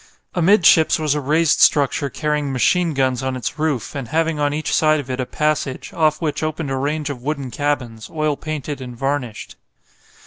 Amidships was a raised structure carrying machine guns on its roof, and having on each side of it a passage, off which opened a range of wooden cabins, oil painted and varnished.